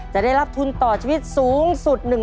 จะได้รับทุนต่อชีวิตสูงสุด